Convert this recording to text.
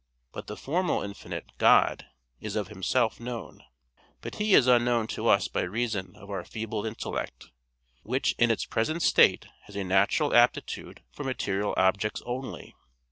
But the formal infinite, God, is of Himself known; but He is unknown to us by reason of our feeble intellect, which in its present state has a natural aptitude for material objects only.